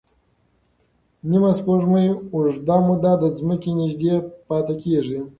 نیمه سپوږمۍ اوږده موده د ځمکې نږدې پاتې کېږي.